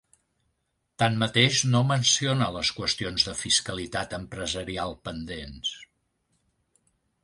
Tanmateix, no menciona les qüestions de fiscalitat empresarial pendents.